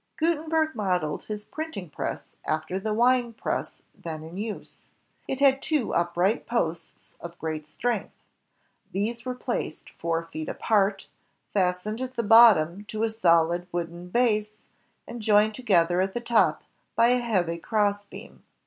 Gutenberg modeled his printing press after the wine press then in use. It had two upright posts of great strength. These were placed four feet apart, fastened at the bottom to a solid wooden base, and joined together at the top by a heavy crossbeam.